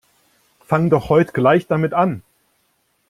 Fang' doch heute gleich damit an!